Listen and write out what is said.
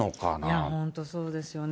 いや、本当そうですよね。